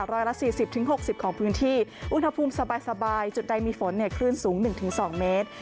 ร้อยละ๔๐๖๐ของพื้นที่อุณหภูมิสบายจุดใดมีฝนเนี่ยคลื่นสูง๑๒เมตร